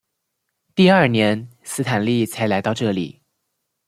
第二年斯坦利才来到这里。